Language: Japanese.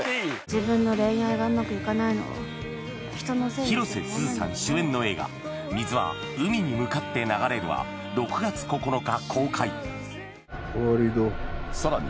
自分の恋愛がうまくいかないの広瀬すずさん主演の映画「水は海に向かって流れる」は６月９日公開さらに